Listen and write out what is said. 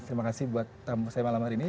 terima kasih buat tamu saya malam hari ini